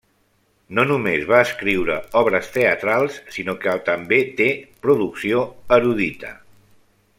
No només va escriure obres teatrals sinó que també té producció erudita.